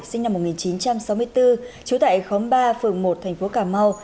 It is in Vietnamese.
sinh năm một nghìn chín trăm sáu mươi bốn trú tại khóm ba phường một thành phố cà mau